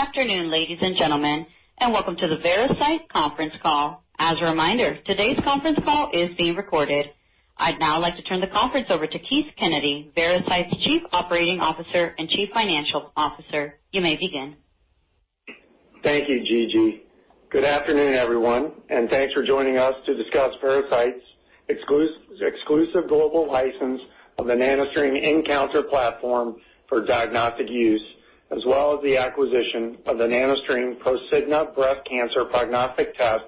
Good afternoon, ladies and gentlemen, and welcome to the Veracyte conference call. As a reminder, today's conference call is being recorded. I'd now like to turn the conference over to Keith Kennedy, Veracyte's Chief Operating Officer and Chief Financial Officer. You may begin. Thank you, Gigi. Good afternoon, everyone, and thanks for joining us to discuss Veracyte's exclusive global license of the NanoString nCounter platform for diagnostic use, as well as the acquisition of the NanoString Prosigna breast cancer prognostic test,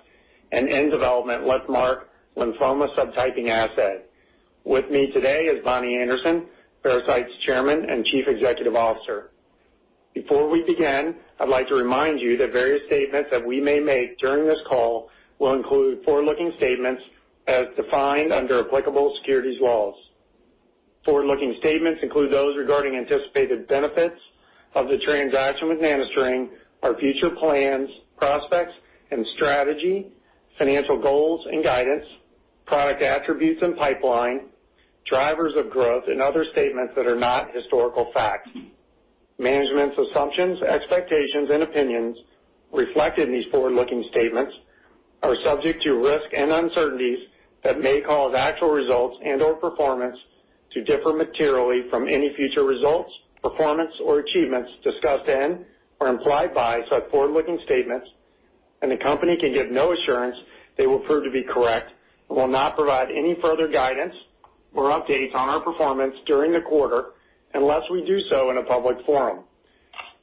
an in-development LymphMark lymphoma subtyping asset. With me today is Bonnie Anderson, Veracyte's Chairman and Chief Executive Officer. Before we begin, I'd like to remind you that various statements that we may make during this call will include forward-looking statements as defined under applicable securities laws. Forward-looking statements include those regarding anticipated benefits of the transaction with NanoString, our future plans, prospects, and strategy, financial goals and guidance, product attributes and pipeline, drivers of growth, and other statements that are not historical facts. Management's assumptions, expectations, and opinions reflected in these forward-looking statements are subject to risks and uncertainties that may cause actual results and/or performance to differ materially from any future results, performance, or achievements discussed in or implied by such forward-looking statements, and the company can give no assurance they will prove to be correct and will not provide any further guidance or updates on our performance during the quarter unless we do so in a public forum.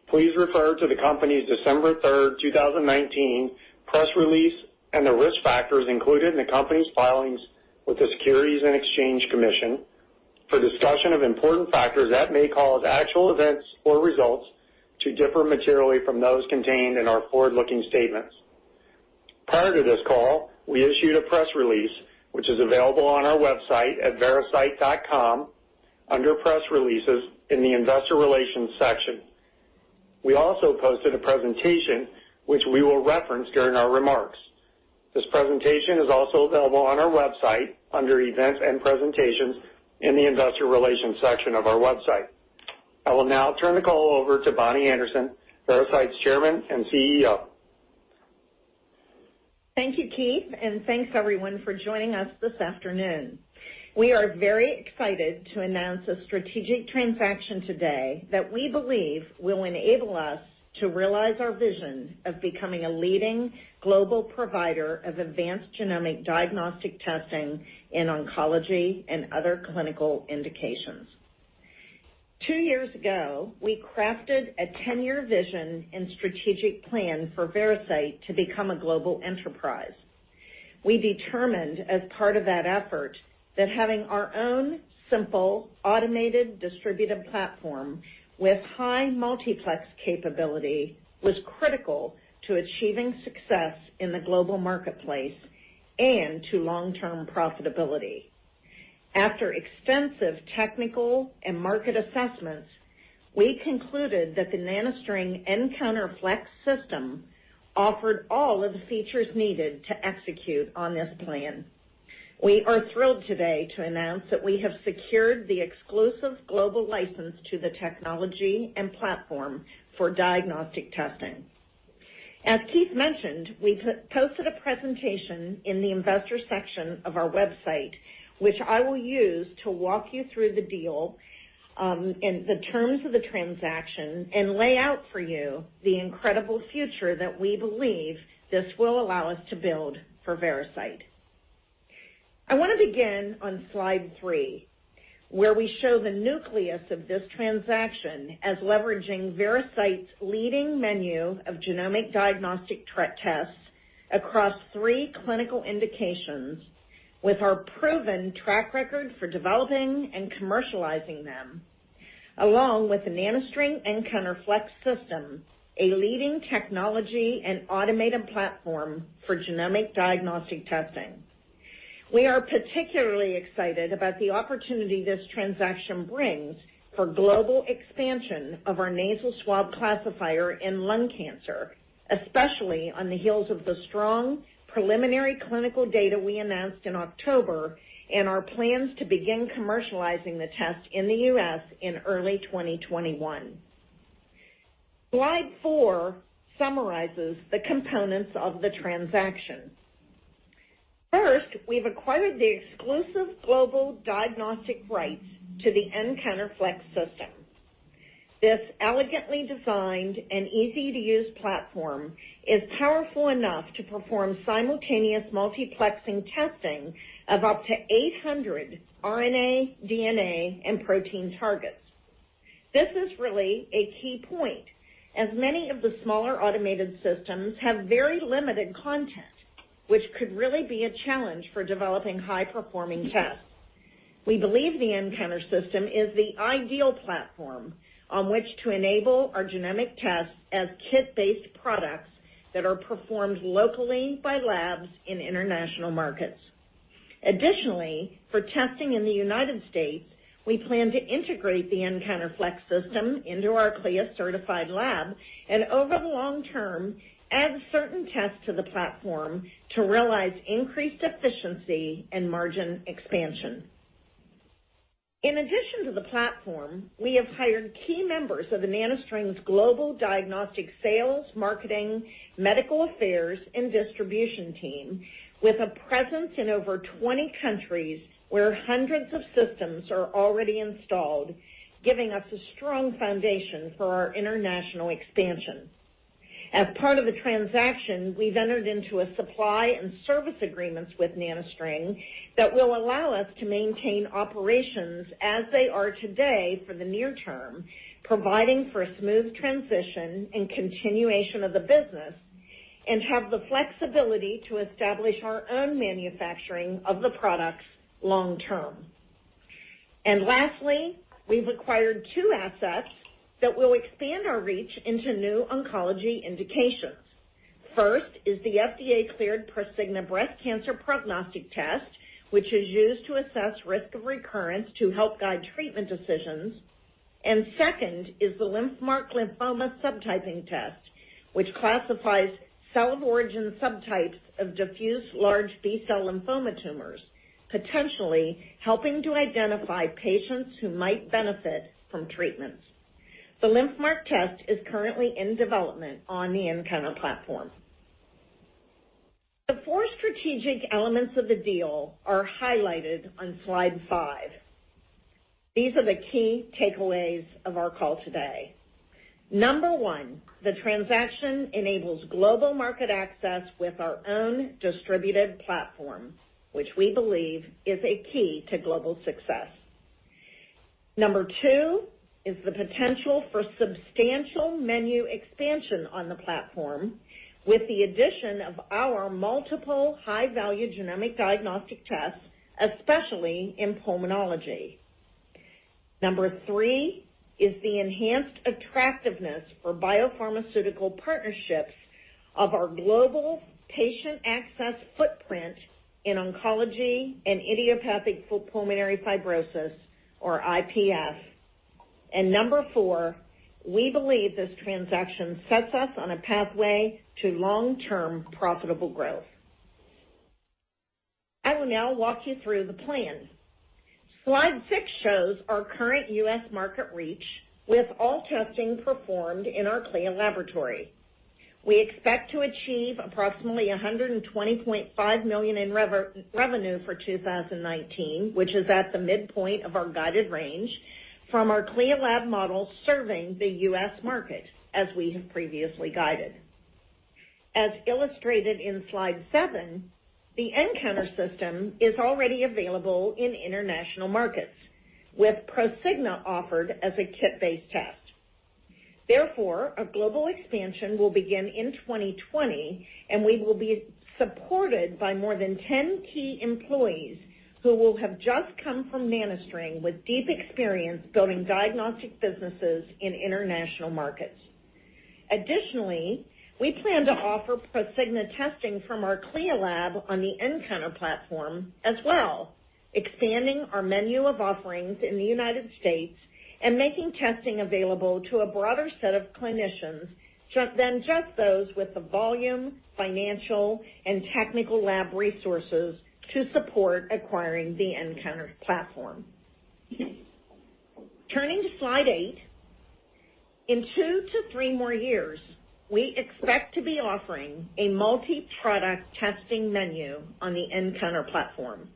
Please refer to the company's December 3rd, 2019, press release and the risk factors included in the company's filings with the Securities and Exchange Commission for a discussion of important factors that may cause actual events or results to differ materially from those contained in our forward-looking statements. Prior to this call, we issued a press release, which is available on our website at veracyte.com under Press Releases in the Investor Relations section. We also posted a presentation, which we will reference during our remarks. This presentation is also available on our website under Events and Presentations in the Investor Relations section of our website. I will now turn the call over to Bonnie Anderson, Veracyte's Chairman and CEO. Thank you, Keith, and thanks everyone for joining us this afternoon. We are very excited to announce a strategic transaction today that we believe will enable us to realize our vision of becoming a leading global provider of advanced genomic diagnostic testing in oncology and other clinical indications. Two years ago, we crafted a 10-year vision and strategic plan for Veracyte to become a global enterprise. We determined as part of that effort that having our own simple, automated, distributed platform with high multiplex capability was critical to achieving success in the global marketplace and to long-term profitability. After extensive technical and market assessments, we concluded that the NanoString nCounter FLEX system offered all of the features needed to execute on this plan. We are thrilled today to announce that we have secured the exclusive global license to the technology and platform for diagnostic testing. As Keith mentioned, we posted a presentation in the investor section of our website, which I will use to walk you through the deal, and the terms of the transaction, and lay out for you the incredible future that we believe this will allow us to build for Veracyte. I want to begin on slide three, where we show the nucleus of this transaction as leveraging Veracyte's leading menu of genomic diagnostic tests across three clinical indications, with our proven track record for developing and commercializing them, along with the NanoString nCounter FLEX system, a leading technology and automated platform for genomic diagnostic testing. We are particularly excited about the opportunity this transaction brings for global expansion of our nasal swab classifier in lung cancer, especially on the heels of the strong preliminary clinical data we announced in October, and our plans to begin commercializing the test in the U.S. in early 2021. Slide four summarizes the components of the transaction. First, we've acquired the exclusive global diagnostic rights to the nCounter FLEX system. This elegantly designed and easy-to-use platform is powerful enough to perform simultaneous multiplexing testing of up to 800 RNA, DNA, and protein targets. This is really a key point, as many of the smaller automated systems have very limited content, which could really be a challenge for developing high-performing tests. We believe the nCounter system is the ideal platform on which to enable our genomic tests as kit-based products that are performed locally by labs in international markets. Additionally, for testing in the United States, we plan to integrate the nCounter FLEX system into our CLIA-certified lab, and over the long term, add certain tests to the platform to realize increased efficiency and margin expansion. In addition to the platform, we have hired key members of NanoString's global diagnostic sales, marketing, medical affairs, and distribution team with a presence in over 20 countries where hundreds of systems are already installed, giving us a strong foundation for our international expansion. As part of the transaction, we've entered into a supply and service agreements with NanoString that will allow us to maintain operations as they are today for the near term, providing for a smooth transition and continuation of the business, and have the flexibility to establish our own manufacturing of the products long term. Lastly, we've acquired two assets that will expand our reach into new oncology indications. First is the FDA-cleared Prosigna breast cancer prognostic test, which is used to assess risk of recurrence to help guide treatment decisions. Second is the LymphMark lymphoma subtyping test, which classifies cell of origin subtypes of diffuse large B-cell lymphoma tumors, potentially helping to identify patients who might benefit from treatments. The LymphMark test is currently in development on the nCounter platform. The four strategic elements of the deal are highlighted on slide five. These are the key takeaways of our call today. Number one, the transaction enables global market access with our own distributed platform, which we believe is a key to global success. Number two is the potential for substantial menu expansion on the platform, with the addition of our multiple high-value genomic diagnostic tests, especially in pulmonology. Number three is the enhanced attractiveness for biopharmaceutical partnerships of our global patient access footprint in oncology and idiopathic pulmonary fibrosis, or IPF. Number four, we believe this transaction sets us on a pathway to long-term profitable growth. I will now walk you through the plan. Slide six shows our current U.S. market reach with all testing performed in our CLIA laboratory. We expect to achieve approximately $120.5 million in revenue for 2019, which is at the midpoint of our guided range, from our CLIA lab model serving the U.S. market, as we have previously guided. As illustrated in slide seven, the nCounter system is already available in international markets, with ProSigna offered as a kit-based test. Therefore, a global expansion will begin in 2020, and we will be supported by more than 10 key employees who will have just come from NanoString with deep experience building diagnostic businesses in international markets. Additionally, we plan to offer Prosigna testing from our CLIA lab on the nCounter platform as well, expanding our menu of offerings in the United States and making testing available to a broader set of clinicians than just those with the volume, financial, and technical lab resources to support acquiring the nCounter platform. Turning to slide eight. In two to three more years, we expect to be offering a multi-product testing menu on the nCounter platform.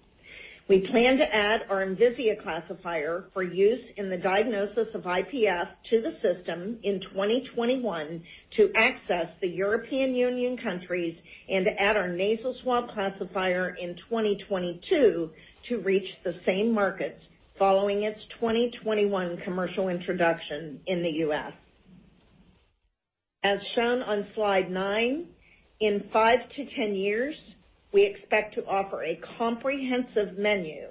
We plan to add our Envisia classifier for use in the diagnosis of IPF to the system in 2021 to access the European Union countries and add our nasal swab classifier in 2022 to reach the same markets following its 2021 commercial introduction in the U.S. As shown on slide nine, in 5 to 10 years, we expect to offer a comprehensive menu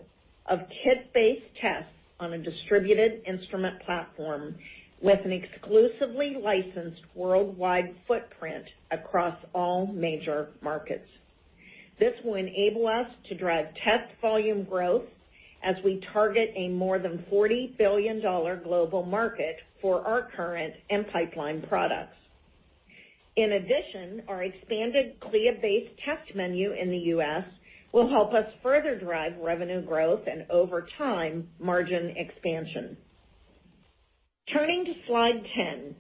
of kit-based tests on a distributed instrument platform with an exclusively licensed worldwide footprint across all major markets. This will enable us to drive test volume growth as we target a more than $40 billion global market for our current and pipeline products. In addition, our expanded CLIA-based test menu in the U.S. will help us further drive revenue growth and, over time, margin expansion. Turning to slide 10.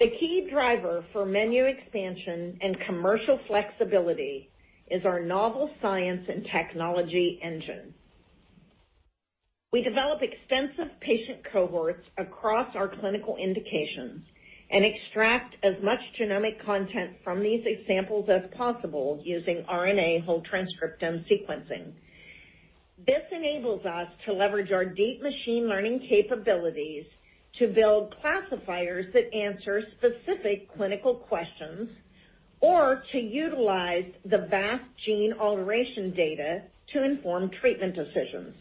The key driver for menu expansion and commercial flexibility is our novel science and technology engine. We develop extensive patient cohorts across our clinical indications and extract as much genomic content from these examples as possible using RNA whole transcriptome sequencing. This enables us to leverage our deep machine learning capabilities to build classifiers that answer specific clinical questions or to utilize the vast gene alteration data to inform treatment decisions.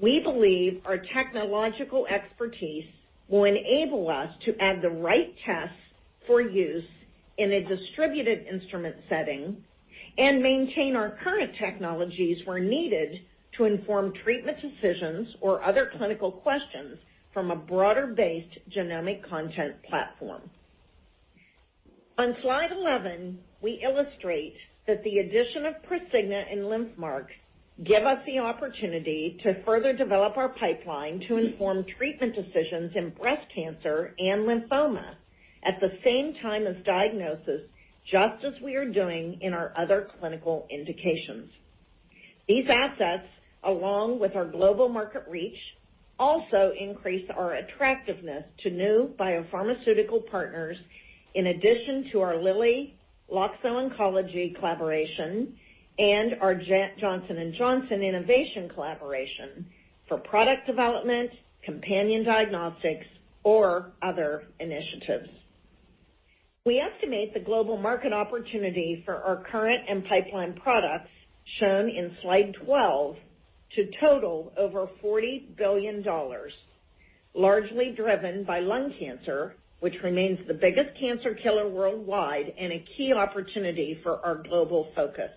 We believe our technological expertise will enable us to add the right tests for use in a distributed instrument setting and maintain our current technologies where needed to inform treatment decisions or other clinical questions from a broader-based genomic content platform. On slide 11, we illustrate that the addition of Prosigna and LymphMark give us the opportunity to further develop our pipeline to inform treatment decisions in breast cancer and lymphoma at the same time as diagnosis, just as we are doing in our other clinical indications. These assets, along with our global market reach, also increase our attractiveness to new biopharmaceutical partners, in addition to our Lilly/Loxo Oncology collaboration and our Johnson & Johnson Innovation collaboration for product development, companion diagnostics or other initiatives. We estimate the global market opportunity for our current and pipeline products, shown in slide 12, to total over $40 billion, largely driven by lung cancer, which remains the biggest cancer killer worldwide and a key opportunity for our global focus.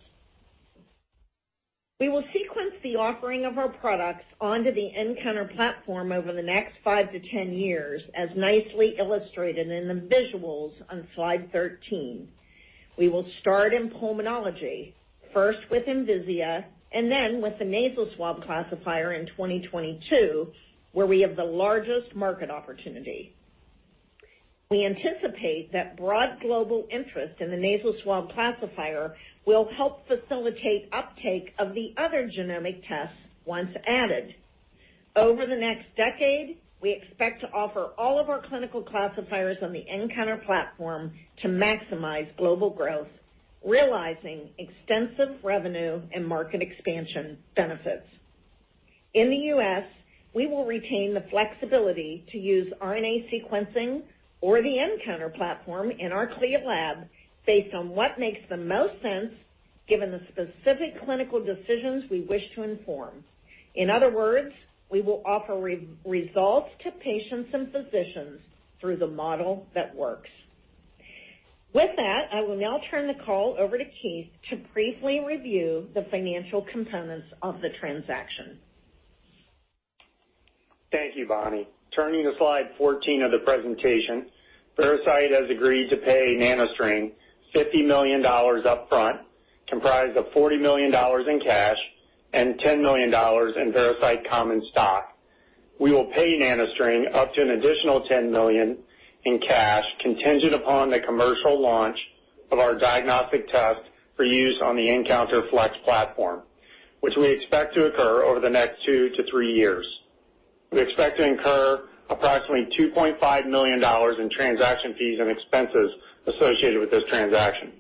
We will sequence the offering of our products onto the nCounter platform over the next five to 10 years, as nicely illustrated in the visuals on slide 13. We will start in pulmonology, first with Envisia, and then with the nasal swab classifier in 2022, where we have the largest market opportunity. We anticipate that broad global interest in the nasal swab classifier will help facilitate uptake of the other genomic tests once added. Over the next decade, we expect to offer all of our clinical classifiers on the nCounter platform to maximize global growth, realizing extensive revenue and market expansion benefits. In the U.S., we will retain the flexibility to use RNA sequencing or the nCounter platform in our CLIA lab based on what makes the most sense given the specific clinical decisions we wish to inform. In other words, we will offer results to patients and physicians through the model that works. With that, I will now turn the call over to Keith to briefly review the financial components of the transaction. Thank you, Bonnie. Turning to slide 14 of the presentation, Veracyte has agreed to pay NanoString $50 million upfront, comprised of $40 million in cash and $10 million in Veracyte common stock. We will pay NanoString up to an additional $10 million in cash, contingent upon the commercial launch of our diagnostic test for use on the nCounter FLEX platform, which we expect to occur over the next two to three years. We expect to incur approximately $2.5 million in transaction fees and expenses associated with this transaction.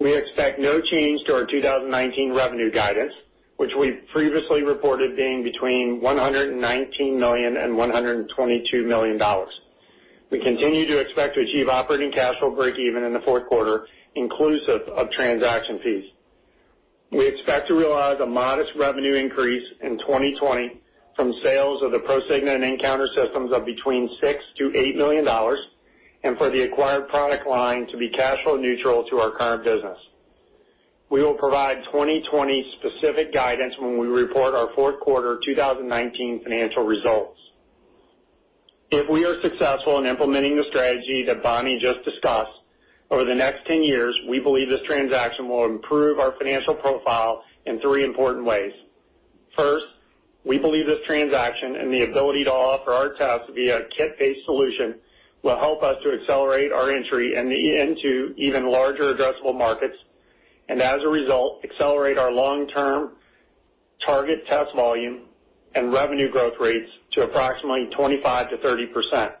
We expect no change to our 2019 revenue guidance, which we've previously reported being between $119 million and $122 million. We continue to expect to achieve operating cash flow breakeven in the fourth quarter, inclusive of transaction fees. We expect to realize a modest revenue increase in 2020 from sales of the Prosigna and nCounter systems of between $6 million-$8 million, and for the acquired product line to be cash flow neutral to our current business. We will provide 2020 specific guidance when we report our fourth quarter 2019 financial results. If we are successful in implementing the strategy that Bonnie just discussed over the next 10 years, we believe this transaction will improve our financial profile in three important ways. First, we believe this transaction and the ability to offer our tests via a kit-based solution will help us to accelerate our entry into even larger addressable markets, and as a result, accelerate our long-term target test volume and revenue growth rates to approximately 25%-30%.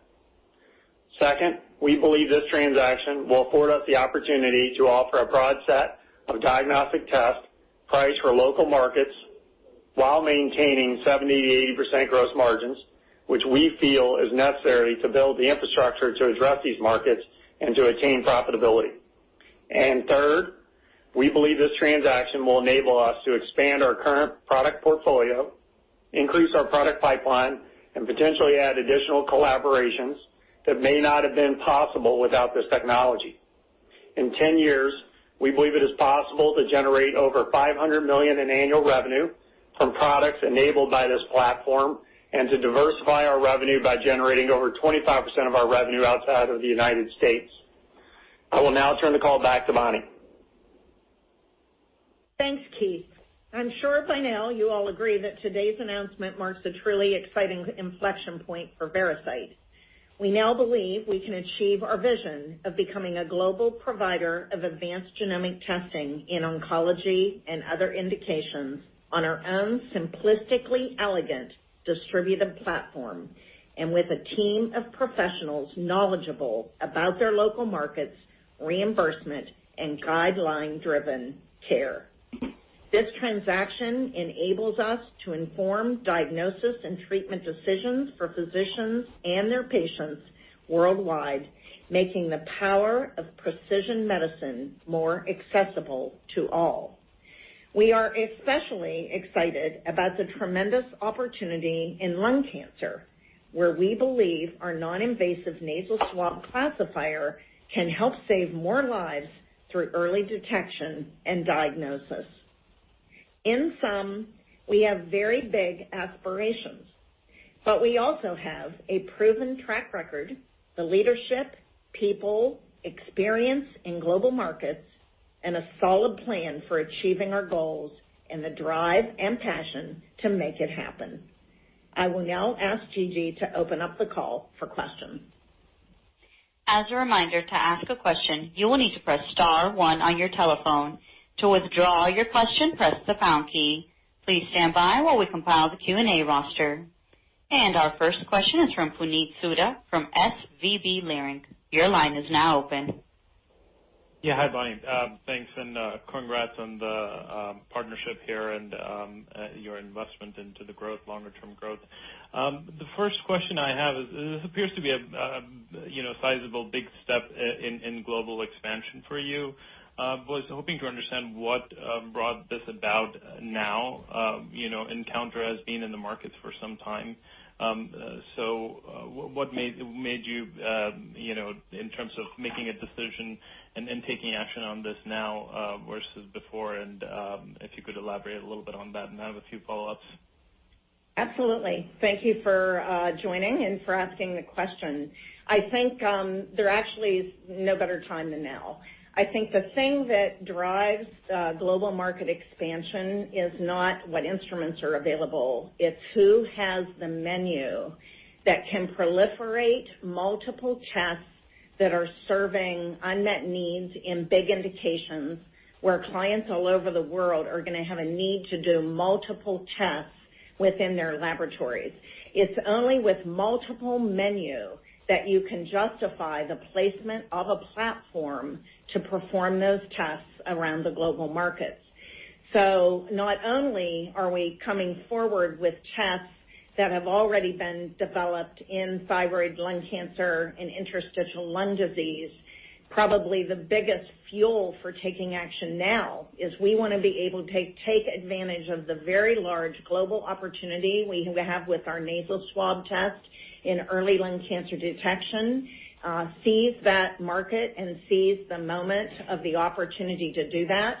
Second, we believe this transaction will afford us the opportunity to offer a broad set of diagnostic tests priced for local markets while maintaining 70%, 80% gross margins, which we feel is necessary to build the infrastructure to address these markets and to attain profitability. Third, we believe this transaction will enable us to expand our current product portfolio, increase our product pipeline, and potentially add additional collaborations that may not have been possible without this technology. In 10 years, we believe it is possible to generate over $500 million in annual revenue from products enabled by this platform, and to diversify our revenue by generating over 25% of our revenue outside of the United States. I will now turn the call back to Bonnie. Thanks, Keith. I'm sure by now you all agree that today's announcement marks a truly exciting inflection point for Veracyte. We now believe we can achieve our vision of becoming a global provider of advanced genomic testing in oncology and other indications on our own simplistically elegant, distributed platform, and with a team of professionals knowledgeable about their local markets, reimbursement, and guideline-driven care. This transaction enables us to inform diagnosis and treatment decisions for physicians and their patients worldwide, making the power of precision medicine more accessible to all. We are especially excited about the tremendous opportunity in lung cancer, where we believe our non-invasive nasal swab classifier can help save more lives through early detection and diagnosis. In sum, we have very big aspirations, but we also have a proven track record, the leadership, people, experience in global markets, and a solid plan for achieving our goals, and the drive and passion to make it happen. I will now ask Gigi to open up the call for questions. As a reminder, to ask a question, you will need to press star one on your telephone. To withdraw your question, press the pound key. Please stand by while we compile the Q&A roster. Our first question is from Puneet Souda from SVB Leerink. Your line is now open. Yeah. Hi, Bonnie. Thanks and congrats on the partnership here and your investment into the longer-term growth. The first question I have is, this appears to be a sizable big step in global expansion for you. I was hoping to understand what brought this about now. nCounter has been in the market for some time. What made you, in terms of making a decision and then taking action on this now, versus before? If you could elaborate a little bit on that, and I have a few follow-ups. Absolutely. Thank you for joining and for asking the question. I think there actually is no better time than now. I think the thing that drives global market expansion is not what instruments are available, it's who has the menu that can proliferate multiple tests that are serving unmet needs in big indications, where clients all over the world are going to have a need to do multiple tests within their laboratories. It's only with multiple menu that you can justify the placement of a platform to perform those tests around the global markets. Not only are we coming forward with tests that have already been developed in thyroid, lung cancer, and interstitial lung disease, probably the biggest fuel for taking action now is we want to be able to take advantage of the very large global opportunity we have with our nasal swab test in early lung cancer detection, seize that market and seize the moment of the opportunity to do that.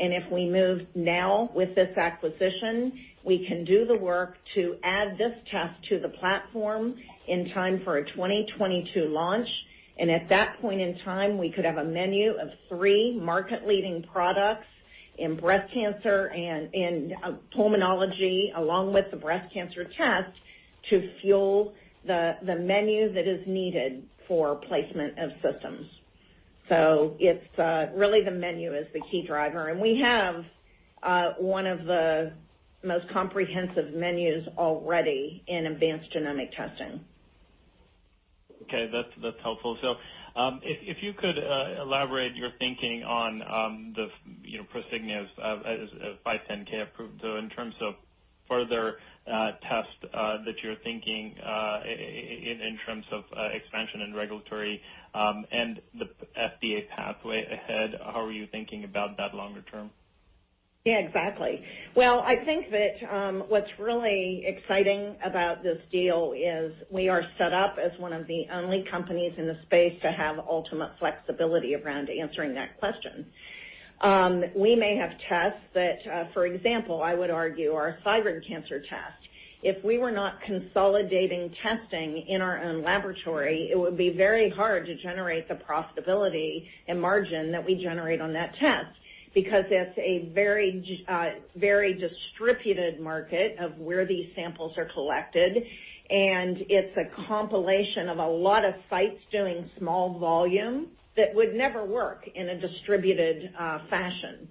If we move now with this acquisition, we can do the work to add this test to the platform in time for a 2022 launch. At that point in time, we could have a menu of three market-leading products in breast cancer and in pulmonology, along with the breast cancer test to fuel the menu that is needed for placement of systems. Really the menu is the key driver, and we have one of the most comprehensive menus already in advanced genomic testing. Okay. That's helpful. If you could elaborate your thinking on the Prosigna as a 510 approved, in terms of further tests that you're thinking, in terms of expansion and regulatory, and the FDA pathway ahead, how are you thinking about that longer term? Yeah, exactly. Well, I think that what's really exciting about this deal is we are set up as one of the only companies in the space to have ultimate flexibility around answering that question. We may have tests that, for example, I would argue, our thyroid cancer test. If we were not consolidating testing in our own laboratory, it would be very hard to generate the profitability and margin that we generate on that test, because it's a very distributed market of where these samples are collected, and it's a compilation of a lot of sites doing small volume that would never work in a distributed fashion.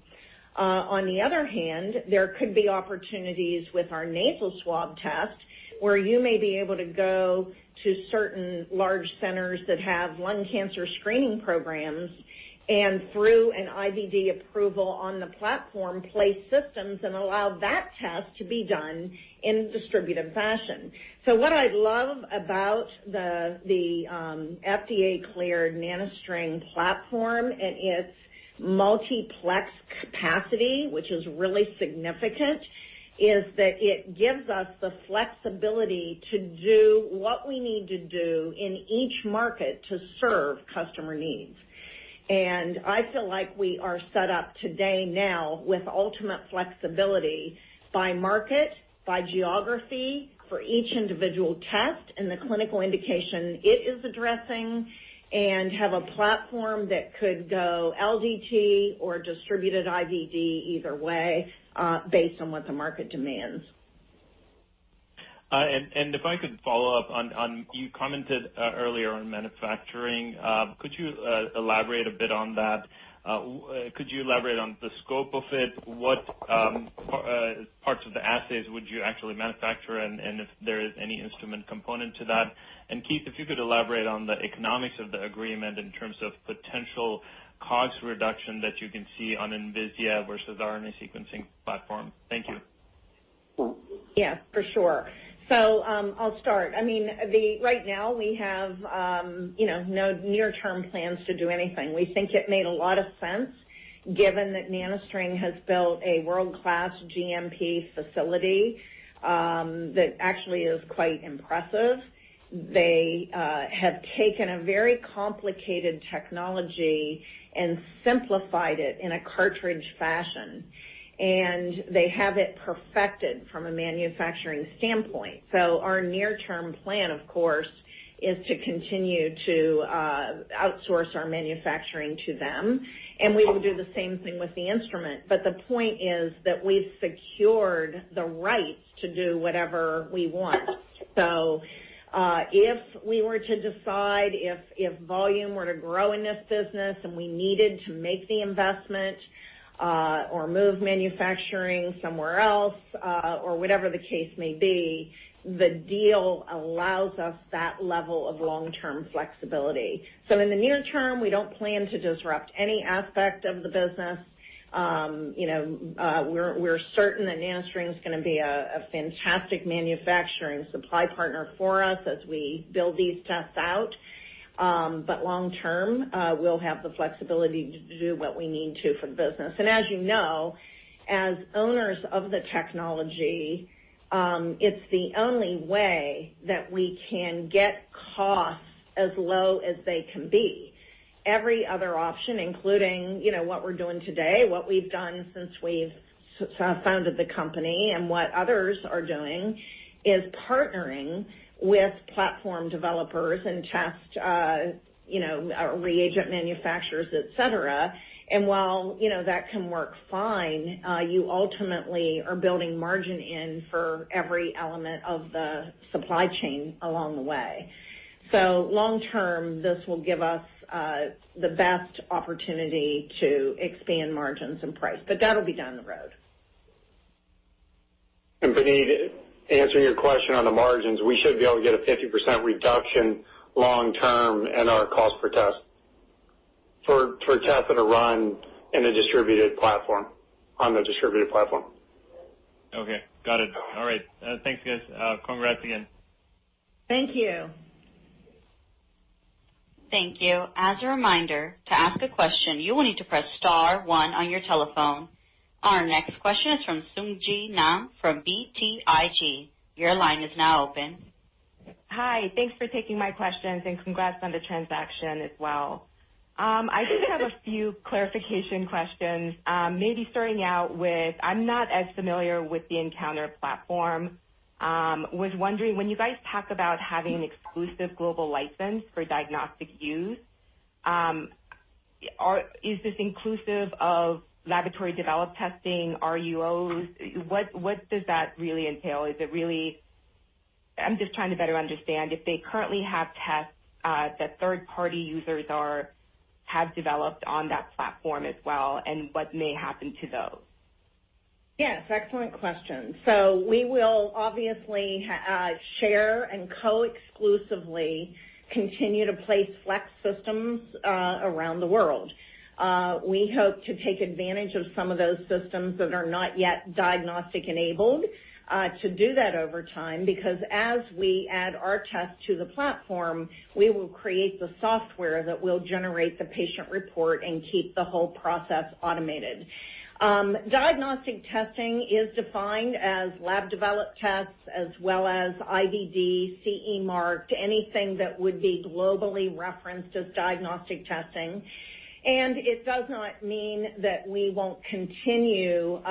On the other hand, there could be opportunities with our nasal swab test, where you may be able to go to certain large centers that have lung cancer screening programs, and through an IVD approval on the platform, place systems and allow that test to be done in a distributed fashion. What I love about the FDA-cleared NanoString platform and its multiplex capacity, which is really significant, is that it gives us the flexibility to do what we need to do in each market to serve customer needs. I feel like we are set up today now with ultimate flexibility by market, by geography for each individual test and the clinical indication it is addressing, and have a platform that could go LDT or distributed IVD either way, based on what the market demands. If I could follow up. You commented earlier on manufacturing. Could you elaborate a bit on that? Could you elaborate on the scope of it? What parts of the assays would you actually manufacture, and if there is any instrument component to that? Keith, if you could elaborate on the economics of the agreement in terms of potential cost reduction that you can see on Envisia versus RNA sequencing platform. Thank you. Yeah, for sure. I'll start. Right now, we have no near-term plans to do anything. We think it made a lot of sense given that NanoString has built a world-class GMP facility, that actually is quite impressive. They have taken a very complicated technology and simplified it in a cartridge fashion. They have it perfected from a manufacturing standpoint. Our near-term plan, of course, is to continue to outsource our manufacturing to them, and we will do the same thing with the instrument. The point is that we've secured the rights to do whatever we want. If we were to decide, if volume were to grow in this business and we needed to make the investment, or move manufacturing somewhere else, or whatever the case may be, the deal allows us that level of long-term flexibility. In the near term, we don't plan to disrupt any aspect of the business. We're certain that NanoString's going to be a fantastic manufacturing supply partner for us as we build these tests out. Long term, we'll have the flexibility to do what we need to for the business. As you know, as owners of the technology, it's the only way that we can get costs as low as they can be. Every other option, including what we're doing today, what we've done since we've founded the company, and what others are doing, is partnering with platform developers and test, or reagent manufacturers, et cetera. While that can work fine, you ultimately are building margin in for every element of the supply chain along the way. Long term, this will give us the best opportunity to expand margins and price. That'll be down the road. Puneet, to answer your question on the margins, we should be able to get a 50% reduction long term in our cost per test. For tests that are run in a distributed platform, on the distributed platform. Okay, got it. All right. Thanks, guys. Congrats again. Thank you. Thank you. As a reminder, to ask a question, you will need to press star one on your telephone. Our next question is from Sung Ji Nam from BTIG. Your line is now open. Hi. Thanks for taking my questions. Congrats on the transaction as well. I just have a few clarification questions. Maybe starting out with, I'm not as familiar with the nCounter platform. I was wondering, when you guys talk about having exclusive global license for diagnostic use, is this inclusive of laboratory developed testing, RUOs? What does that really entail? I'm just trying to better understand if they currently have tests that third-party users have developed on that platform as well, and what may happen to those? Yes, excellent question. We will obviously, share and co-exclusively continue to place FLEX systems around the world. We hope to take advantage of some of those systems that are not yet diagnostic enabled, to do that over time, because as we add our test to the platform, we will create the software that will generate the patient report and keep the whole process automated. Diagnostic testing is defined as lab-developed tests as well as IVD, CE marked, anything that would be globally referenced as diagnostic testing. It does not mean that we won't continue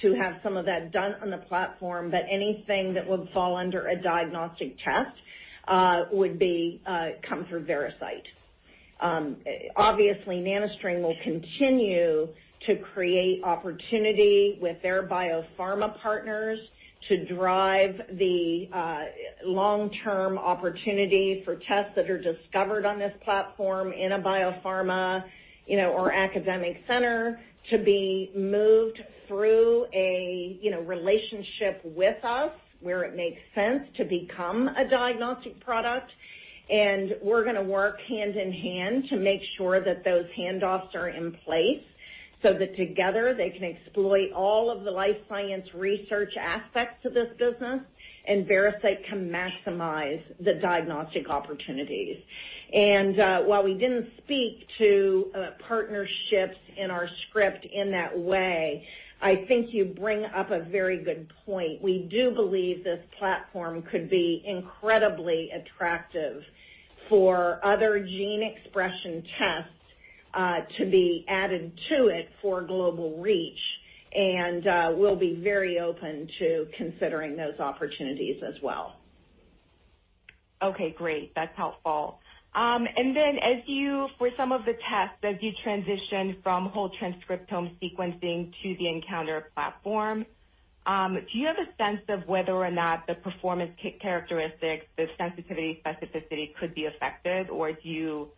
to have some of that done on the platform, but anything that would fall under a diagnostic test would come through Veracyte. Obviously, NanoString will continue to create opportunity with their biopharma partners to drive the long-term opportunity for tests that are discovered on this platform in a biopharma or academic center to be moved through a relationship with us where it makes sense to become a diagnostic product. We're going to work hand in hand to make sure that those handoffs are in place so that together they can exploit all of the life science research aspects of this business, and Veracyte can maximize the diagnostic opportunities. While we didn't speak to partnerships in our script in that way, I think you bring up a very good point. We do believe this platform could be incredibly attractive for other gene expression tests to be added to it for global reach. We'll be very open to considering those opportunities as well. Okay, great. That's helpful. For some of the tests, as you transition from whole transcriptome sequencing to the nCounter platform, do you have a sense of whether or not the performance characteristics, the sensitivity, specificity could be affected, or do you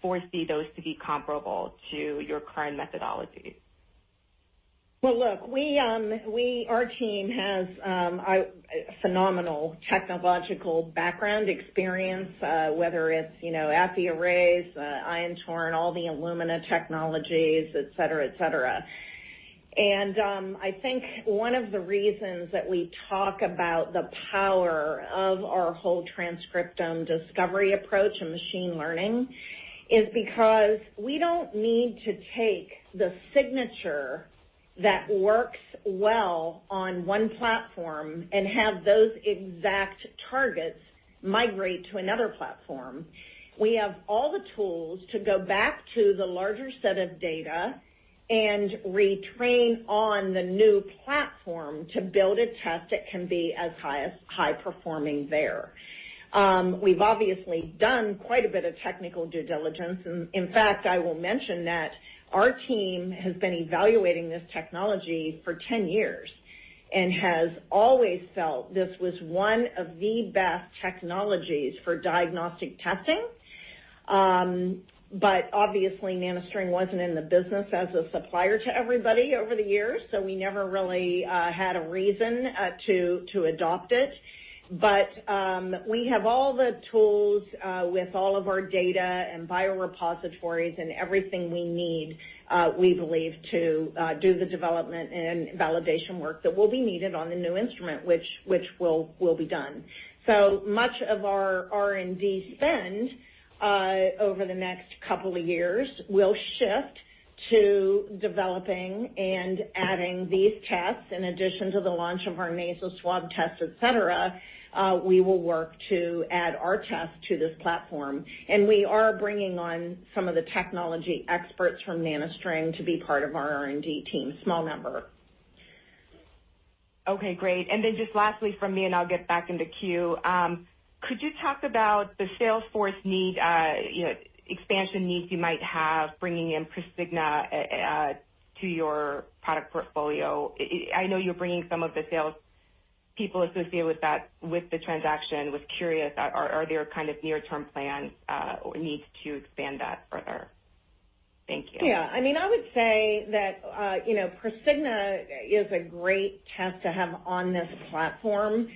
foresee those to be comparable to your current methodologies? Well, look, our team has a phenomenal technological background experience, whether it's Affy arrays, Ion Torrent, all the Illumina technologies, et cetera. I think one of the reasons that we talk about the power of our whole transcriptome discovery approach and machine learning is because we don't need to take the signature that works well on one platform and have those exact targets migrate to another platform. We have all the tools to go back to the larger set of data and retrain on the new platform to build a test that can be as high-performing there. We've obviously done quite a bit of technical due diligence. In fact, I will mention that our team has been evaluating this technology for 10 years and has always felt this was one of the best technologies for diagnostic testing. Obviously, NanoString wasn't in the business as a supplier to everybody over the years, so we never really had a reason to adopt it. We have all the tools with all of our data and biorepositories and everything we need, we believe, to do the development and validation work that will be needed on the new instrument, which will be done. Much of our R&D spend over the next couple of years will shift to developing and adding these tests. In addition to the launch of our nasal swab test, et cetera, we will work to add our test to this platform. We are bringing on some of the technology experts from NanoString to be part of our R&D team, small number. Okay, great. Then just lastly from me, and I'll get back into queue. Could you talk about the sales force expansion needs you might have, bringing in Prosigna to your product portfolio? I know you're bringing some of the salespeople associated with that, with the transaction. I was curious, are there near-term plans or needs to expand that further? Thank you. Yeah. I would say that Prosigna is a great test to have on this platform.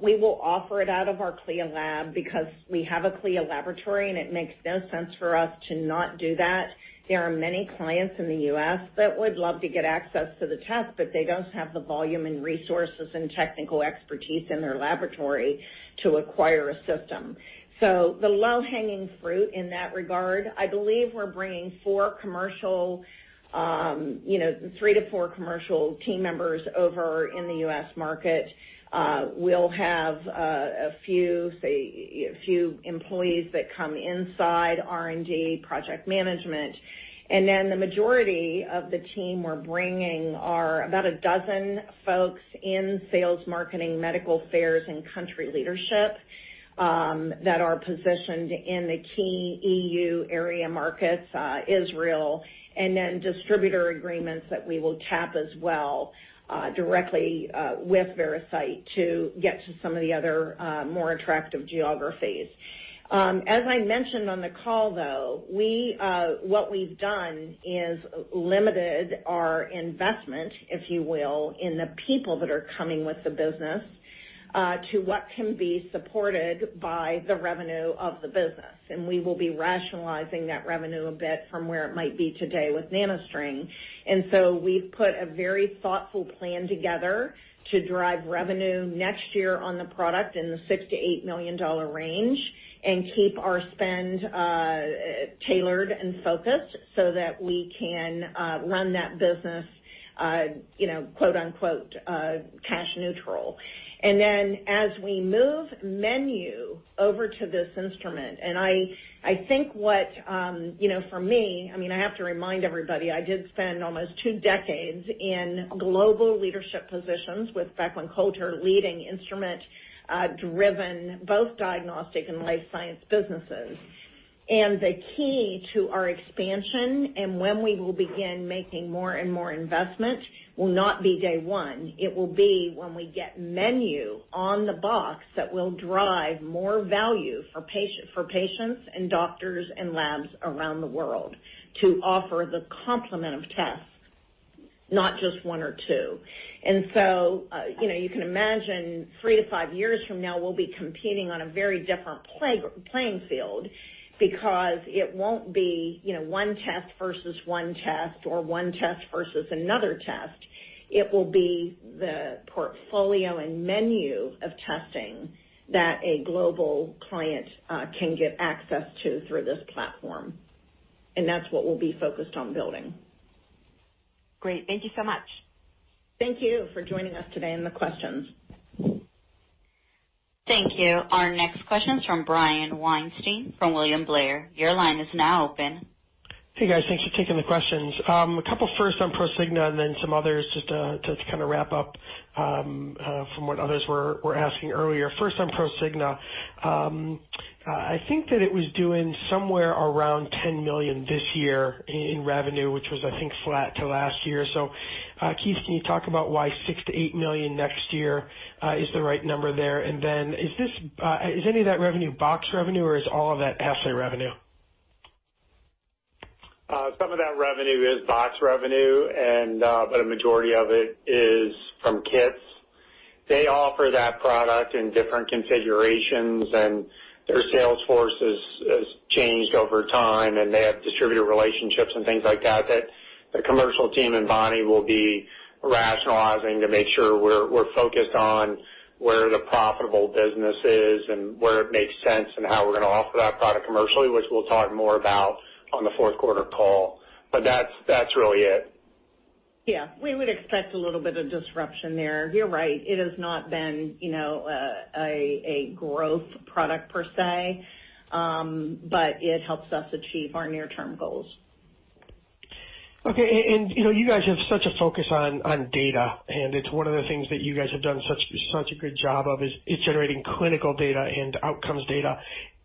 We will offer it out of our CLIA lab because we have a CLIA laboratory. It makes no sense for us to not do that. There are many clients in the U.S. that would love to get access to the test. They don't have the volume and resources and technical expertise in their laboratory to acquire a system. The low-hanging fruit in that regard, I believe we're bringing three to four commercial team members over in the U.S. market. We'll have a few employees that come inside R&D, project management. Then the majority of the team we're bringing are about 12 folks in sales, marketing, medical affairs, and country leadership that are positioned in the key EU area markets, Israel, and then distributor agreements that we will tap as well directly with Veracyte to get to some of the other more attractive geographies. As I mentioned on the call, though, what we've done is limited our investment, if you will, in the people that are coming with the business, to what can be supported by the revenue of the business. We will be rationalizing that revenue a bit from where it might be today with NanoString. We've put a very thoughtful plan together to drive revenue next year on the product in the $6 million-$8 million range and keep our spend tailored and focused so that we can run that business, quote, unquote, "cash neutral." As we move menu over to this instrument, I think what, for me, I have to remind everybody, I did spend almost two decades in global leadership positions with Beckman Coulter, leading instrument-driven, both diagnostic and life science businesses. The key to our expansion and when we will begin making more and more investments, will not be day one. It will be when we get menu on the box that will drive more value for patients and doctors and labs around the world to offer the complement of tests, not just one or two. You can imagine three to five years from now, we'll be competing on a very different playing field because it won't be one test versus one test or one test versus another test. It will be the portfolio and menu of testing that a global client can get access to through this platform. That's what we'll be focused on building. Great. Thank you so much. Thank you for joining us today and the questions. Thank you. Our next question is from Brian Weinstein from William Blair. Your line is now open. Hey, guys. Thanks for taking the questions. A couple first on Prosigna and then some others just to kind of wrap up from what others were asking earlier. First on Prosigna, I think that it was doing somewhere around $10 million this year in revenue, which was, I think, flat to last year. Keith, can you talk about why $6 million-$8 million next year is the right number there? Is any of that revenue box revenue or is all of that assay revenue? Some of that revenue is box revenue, but a majority of it is from kits. They offer that product in different configurations. Their sales force has changed over timeline and they have distributor relationships and things like that the commercial team and Bonnie will be rationalizing to make sure we're focused on where the profitable business is and where it makes sense and how we're going to offer that product commercially, which we'll talk more about on the fourth quarter call. That's really it. Yeah. We would expect a little bit of disruption there. You're right, it has not been a growth product per se, but it helps us achieve our near-term goals. Okay. You guys have such a focus on data, and it's one of the things that you guys have done such a good job of, is generating clinical data and outcomes data.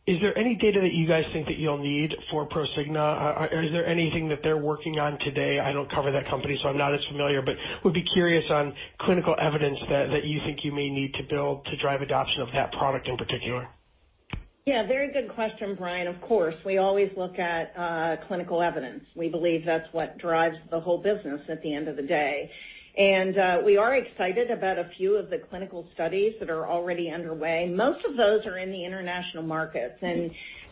Is there any data that you guys think that you'll need for Prosigna? Is there anything that they're working on today? I don't cover that company, so I'm not as familiar, but would be curious on clinical evidence that you think you may need to build to drive adoption of that product in particular. Yeah. Very good question, Brian. Of course, we always look at clinical evidence. We are excited about a few of the clinical studies that are already underway. Most of those are in the international markets.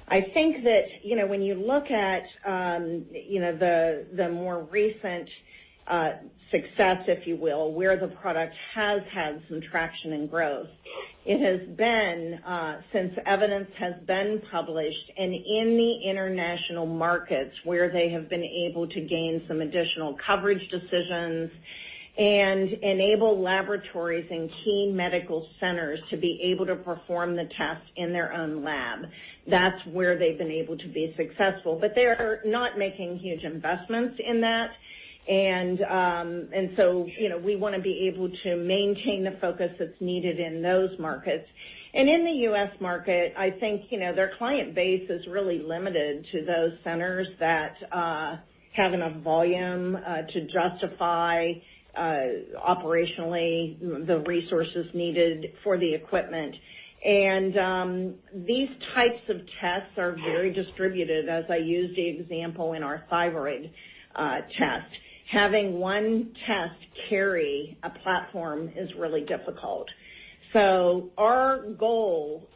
I think that, when you look at the more recent success, if you will, where the product has had some traction and growth, it has been since evidence has been published and in the international markets where they have been able to gain some additional coverage decisions and enable laboratories and key medical centers to be able to perform the test in their own lab. That's where they've been able to be successful. They're not making huge investments in that, and so we want to be able to maintain the focus that's needed in those markets. In the U.S. market, I think their client base is really limited to those centers that have enough volume to justify, operationally, the resources needed for the equipment. These types of tests are very distributed, as I used the example in our thyroid test. Having one test carry a platform is really difficult. Our goal,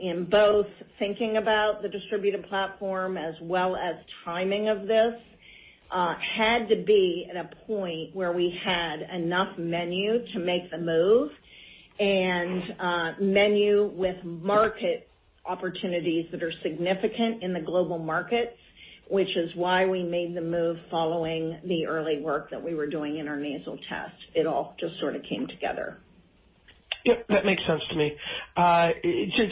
in both thinking about the distributed platform as well as timing of this, had to be at a point where we had enough menu to make the move and menu with market opportunities that are significant in the global markets, which is why we made the move following the early work that we were doing in our nasal test. It all just sort of came together. Yep, that makes sense to me.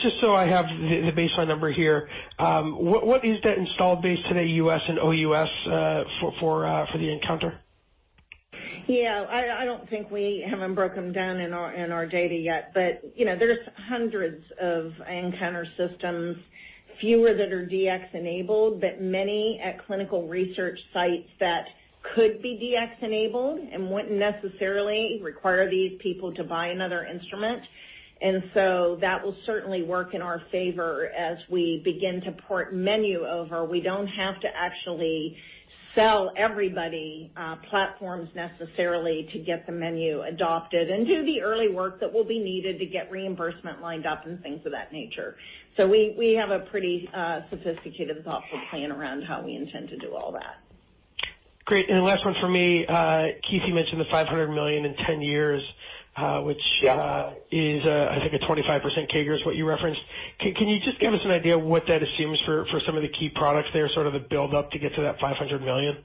Just so I have the baseline number here, what is that installed base today, U.S. and OUS, for the nCounter? Yeah. I don't think we haven't broken them down in our data yet, but there's hundreds of nCounter systems, fewer that are DX-enabled, but many at clinical research sites that could be DX-enabled and wouldn't necessarily require these people to buy another instrument. That will certainly work in our favor as we begin to port menu over. We don't have to actually sell everybody platforms necessarily to get the menu adopted and do the early work that will be needed to get reimbursement lined up and things of that nature. We have a pretty sophisticated, thoughtful plan around how we intend to do all that. Great. Last one from me. Keith, you mentioned the $500 million in 10 years. Yeah I think a 25% CAGR is what you referenced. Can you just give us an idea of what that assumes for some of the key products there, sort of the build up to get to that $500 million?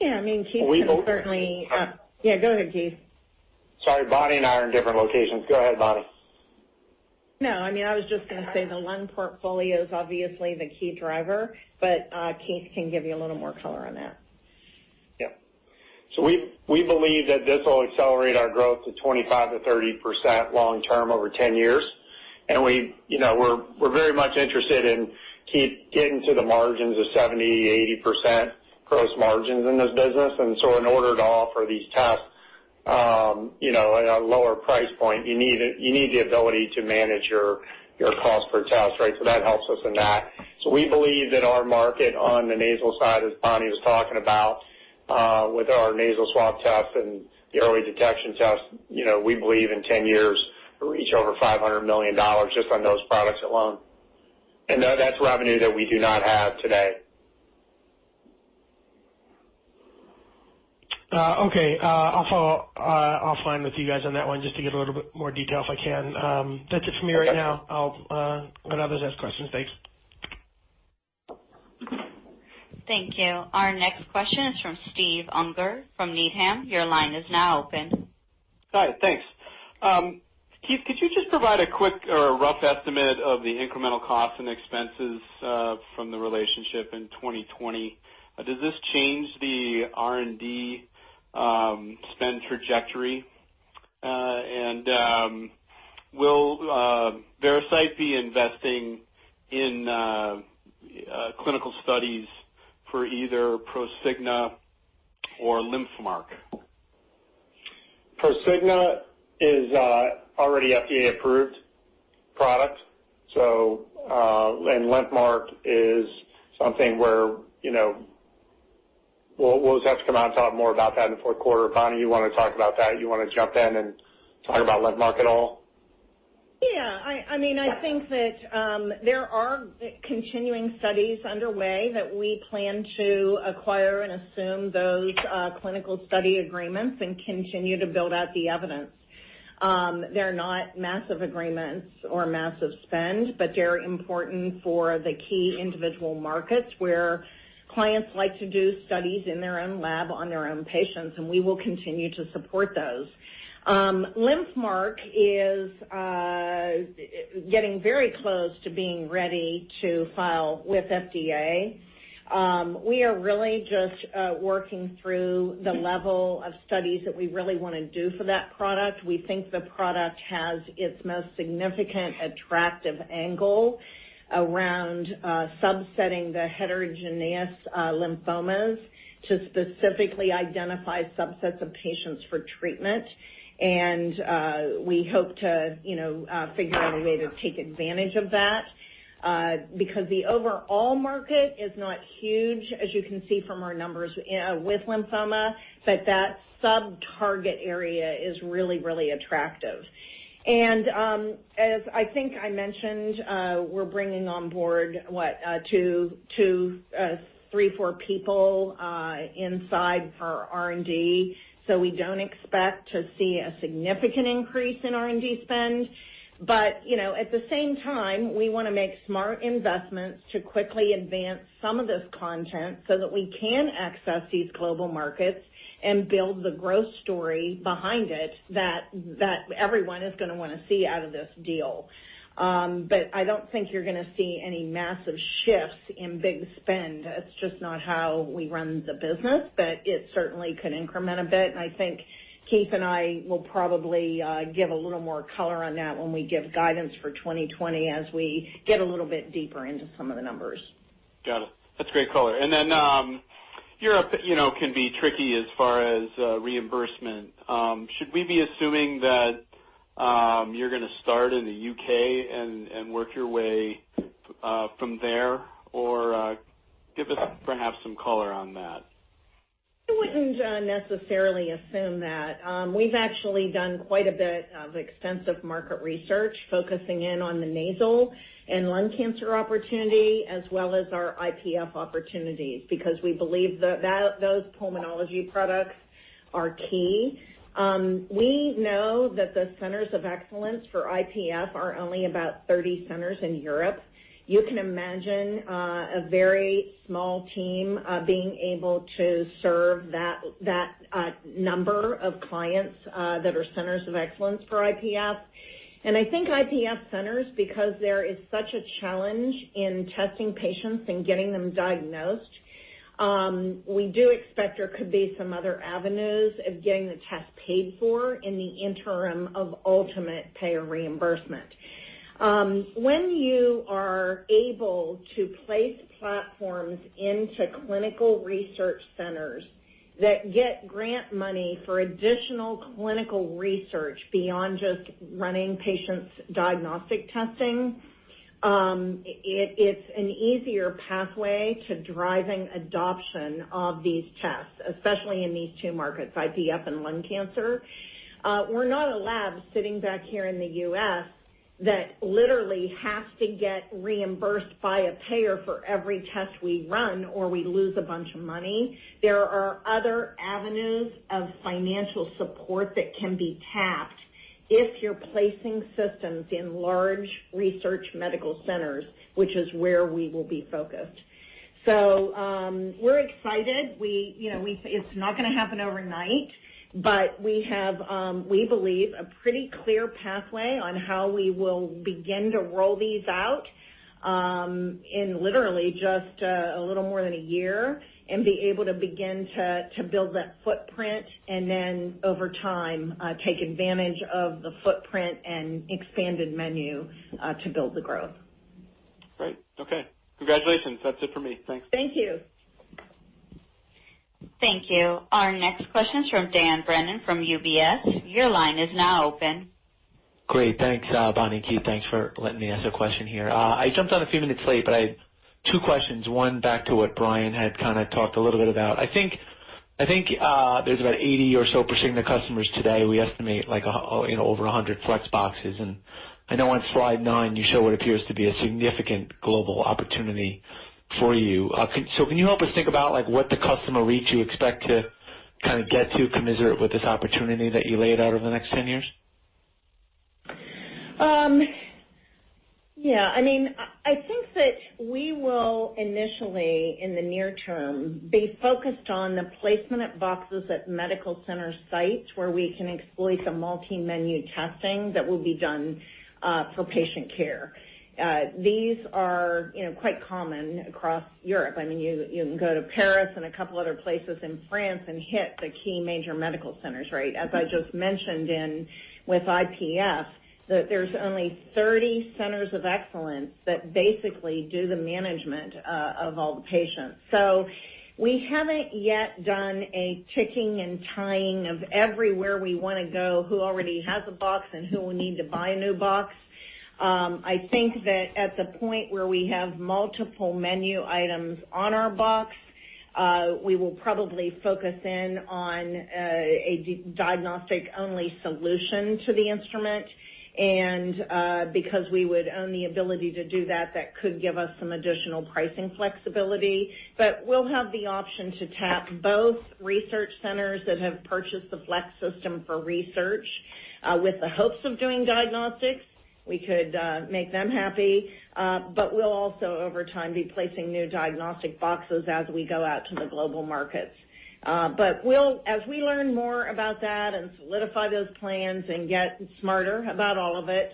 Yeah, I mean, Keith can certainly- We both- Yeah, go ahead, Keith. Sorry, Bonnie and I are in different locations. Go ahead, Bonnie. I was just going to say the lung portfolio is obviously the key driver, but Keith can give you a little more color on that. Yep. We believe that this will accelerate our growth to 25%-30% long term over 10 years. We're very much interested in getting to the margins of 70%, 80% gross margins in this business. In order to offer these tests at a lower price point, you need the ability to manage your cost per test, right? That helps us in that. We believe that our market on the nasal side, as Bonnie was talking about, with our nasal swab test and the early detection test, we believe in 10 years, we'll reach over $500 million just on those products alone. That's revenue that we do not have today. Okay. I'll follow up offline with you guys on that one just to get a little bit more detail if I can. That's it for me right now. I'll let others ask questions. Thanks. Thank you. Our next question is from Steve Unger from Needham. Your line is now open. Hi, thanks. Keith, could you just provide a quick or a rough estimate of the incremental costs and expenses from the relationship in 2020? Does this change the R&D spend trajectory? Will Veracyte be investing in clinical studies for either Prosigna or LymphMark? Prosigna is a already FDA-approved product. LymphMark is something. Will Zeus come out and talk more about that in the fourth quarter? Bonnie, you want to talk about that? You want to jump in and talk about LymphMark at all? Yeah. I think that there are continuing studies underway that we plan to acquire and assume those clinical study agreements and continue to build out the evidence. They're not massive agreements or massive spend, but they're important for the key individual markets where clients like to do studies in their own lab on their own patients, and we will continue to support those. LymphMark is getting very close to being ready to file with FDA. We are really just working through the level of studies that we really want to do for that product. We think the product has its most significant attractive angle around subsetting the heterogeneous lymphomas to specifically identify subsets of patients for treatment. We hope to figure out a way to take advantage of that, because the overall market is not huge, as you can see from our numbers with lymphoma, but that sub-target area is really attractive. As I think I mentioned, we're bringing on board three, four people inside our R&D, so we don't expect to see a significant increase in R&D spend. At the same time, we want to make smart investments to quickly advance some of this content so that we can access these global markets and build the growth story behind it that everyone is going to want to see out of this deal. I don't think you're going to see any massive shifts in big spend. That's just not how we run the business. It certainly could increment a bit, and I think Keith and I will probably give a little more color on that when we give guidance for 2020 as we get a little bit deeper into some of the numbers. Got it. That's great color. Europe can be tricky as far as reimbursement. Should we be assuming that you're going to start in the U.K. and work your way from there? Give us perhaps some color on that. I wouldn't necessarily assume that. We've actually done quite a bit of extensive market research focusing in on the nasal and lung cancer opportunity, as well as our IPF opportunities, because we believe those pulmonology products are key. We know that the centers of excellence for IPF are only about 30 centers in Europe. You can imagine a very small team being able to serve that number of clients that are centers of excellence for IPF. I think IPF centers, because there is such a challenge in testing patients and getting them diagnosed, we do expect there could be some other avenues of getting the test paid for in the interim of ultimate payer reimbursement. When you are able to place platforms into clinical research centers that get grant money for additional clinical research beyond just running patients' diagnostic testing, it's an easier pathway to driving adoption of these tests, especially in these two markets, IPF and lung cancer. We're not a lab sitting back here in the U.S. that literally has to get reimbursed by a payer for every test we run, or we lose a bunch of money. There are other avenues of financial support that can be tapped if you're placing systems in large research medical centers, which is where we will be focused. We're excited. It's not going to happen overnight, but we have, we believe, a pretty clear pathway on how we will begin to roll these out in literally just a little more than a year and be able to begin to build that footprint and then over time, take advantage of the footprint and expanded menu, to build the growth. Great. Okay. Congratulations. That's it for me. Thanks. Thank you. Thank you. Our next question is from Dan Brennan from UBS. Your line is now open. Great. Thanks, Bonnie and Keith. Thanks for letting me ask a question here. I jumped on a few minutes late, but I had two questions, one back to what Brian had kind of talked a little bit about. I think there's about 80 or so Prosigna customers today. We estimate over 100 FLEX boxes, and I know on slide nine, you show what appears to be a significant global opportunity for you. Can you help us think about what the customer reach you expect to kind of get to commensurate with this opportunity that you laid out over the next 10 years? Yeah, I think that we will initially, in the near term, be focused on the placement of boxes at medical center sites where we can exploit some multi-menu testing that will be done for patient care. These are quite common across Europe. You can go to Paris and a couple other places in France and hit the key major medical centers, right? As I just mentioned with IPF, there's only 30 centers of excellence that basically do the management of all the patients. We haven't yet done a ticking and tying of everywhere we want to go, who already has a box, and who will need to buy a new box. I think that at the point where we have multiple menu items on our box, we will probably focus in on a diagnostic-only solution to the instrument, and because we would own the ability to do that could give us some additional pricing flexibility. We'll have the option to tap both research centers that have purchased the FLEX system for research, with the hopes of doing diagnostics. We could make them happy. We'll also, over time, be placing new diagnostic boxes as we go out to the global markets. As we learn more about that and solidify those plans and get smarter about all of it,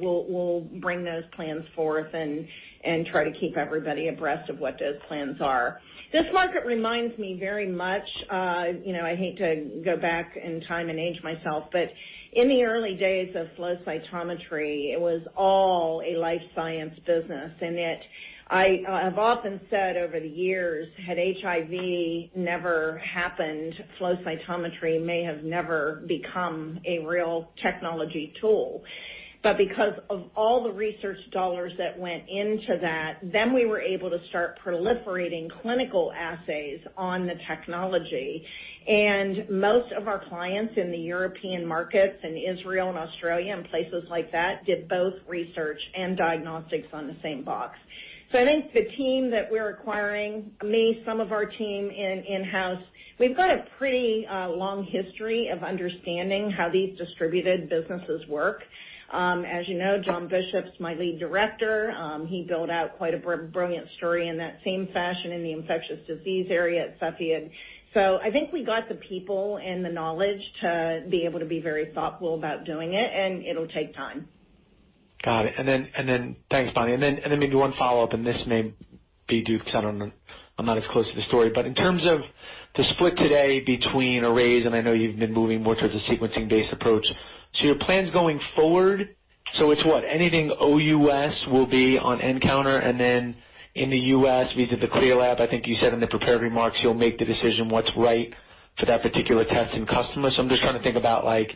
we'll bring those plans forth and try to keep everybody abreast of what those plans are. This market reminds me very much, I hate to go back in time and age myself, but in the early days of flow cytometry, it was all a life science business. I've often said over the years, had HIV never happened, flow cytometry may have never become a real technology tool. Because of all the research dollars that went into that, then we were able to start proliferating clinical assays on the technology. Most of our clients in the European markets and Israel and Australia and places like that, did both research and diagnostics on the same box. I think the team that we're acquiring, me, some of our team in-house, we've got a pretty long history of understanding how these distributed businesses work. As you know, John Bishop's my lead director. He built out quite a brilliant story in that same fashion in the infectious disease area at Cepheid. I think we got the people and the knowledge to be able to be very thoughtful about doing it, and it'll take time. Got it. Thanks, Bonnie. Maybe one follow-up, and this may be Duke's. I don't know. I'm not as close to the story. In terms of the split today between arrays, I know you've been moving more towards a sequencing-based approach, your plans going forward, it's what? Anything OUS will be on nCounter, in the U.S., vis-à-vis the CLIA lab, I think you said in the prepared remarks, you'll make the decision what's right for that particular test and customer. I'm just trying to think about, I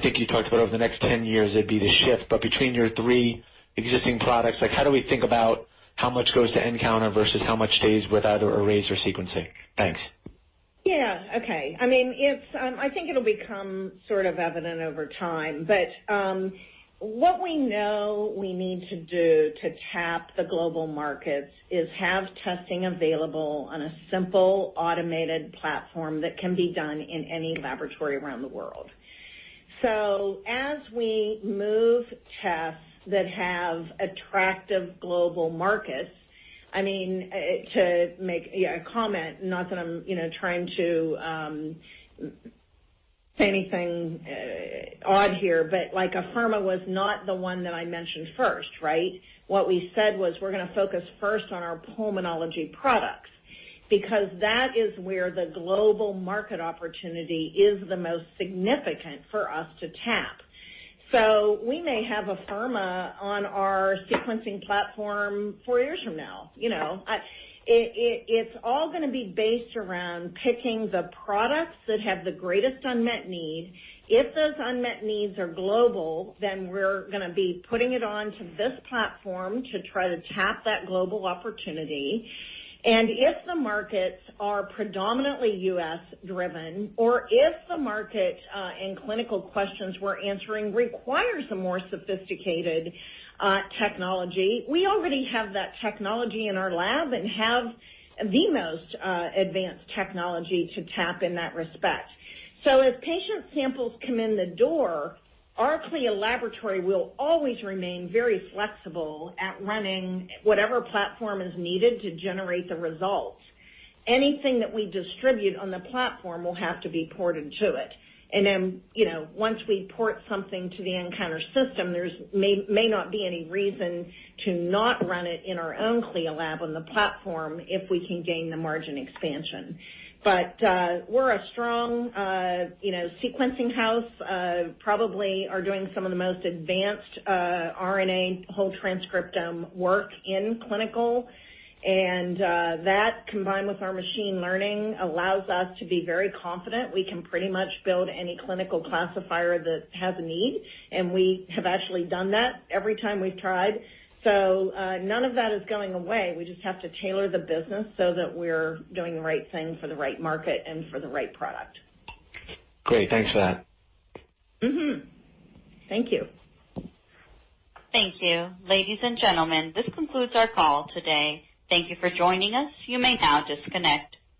think you talked about over the next 10 years, it'd be the shift, but between your three existing products, how do we think about how much goes to nCounter versus how much stays with either arrays or sequencing? Thanks. Yeah. Okay. I think it'll become sort of evident over time, what we know we need to do to tap the global markets is have testing available on a simple, automated platform that can be done in any laboratory around the world. As we move tests that have attractive global markets, to make a comment, not that I'm trying to say anything odd here, but like, Afirma was not the one that I mentioned first, right? What we said was we're gonna focus first on our pulmonology products, because that is where the global market opportunity is the most significant for us to tap. We may have Afirma on our sequencing platform four years from now. It's all gonna be based around picking the products that have the greatest unmet need. If those unmet needs are global, we're gonna be putting it on to this platform to try to tap that global opportunity, and if the markets are predominantly U.S.-driven, or if the market and clinical questions we're answering requires a more sophisticated technology, we already have that technology in our lab and have the most advanced technology to tap in that respect. As patient samples come in the door, our CLIA laboratory will always remain very flexible at running whatever platform is needed to generate the results. Anything that we distribute on the platform will have to be ported to it. Once we port something to the nCounter system, there may not be any reason to not run it in our own CLIA lab on the platform if we can gain the margin expansion. We're a strong sequencing house, probably are doing some of the most advanced RNA whole transcriptome work in clinical. That, combined with our machine learning, allows us to be very confident we can pretty much build any clinical classifier that has a need, and we have actually done that every time we've tried. None of that is going away. We just have to tailor the business so that we're doing the right thing for the right market and for the right product. Great. Thanks for that. Mm-hmm. Thank you. Thank you. Ladies and gentlemen, this concludes our call today. Thank you for joining us. You may now disconnect.